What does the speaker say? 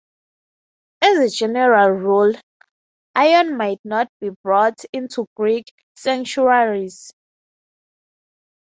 As a general rule, iron might not be brought into Greek sanctuaries.